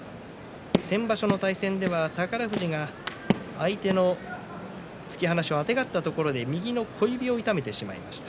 先場所の対戦では宝富士が相手の突き放しをあてがったところで右の小指を痛めてしまいました。